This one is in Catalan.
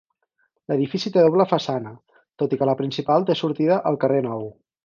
L'edifici té doble façana, tot i que la principal té sortida al carrer Nou.